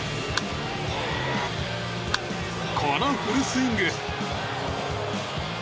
このフルスイング。